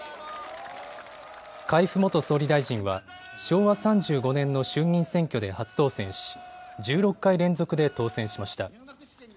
海部元総理大臣は昭和３５年の衆議院選挙で初当選し１６回連続で当選しました。